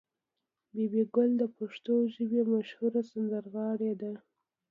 بي بي ګل د پښتو ژبې مشهوره سندرغاړې ده.